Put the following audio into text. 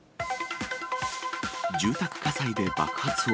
住宅火災で爆発音。